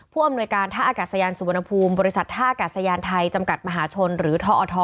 ผู้อำนวยการท่าอากาศยานสวนพุมบริษัทท่าอากาศยานไทยจำกัดมหาชนหรือทออทอ